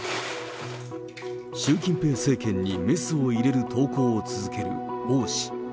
習近平政権にメスを入れる投稿を続ける王氏。